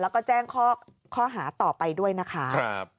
แล้วก็แจ้งข้อหาต่อไปด้วยนะคะ